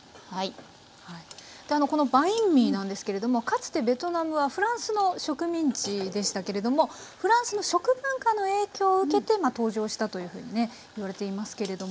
このバインミーなんですけれどもかつてベトナムはフランスの植民地でしたけれどもフランスの食文化の影響を受けて登場したというふうにねいわれていますけれども。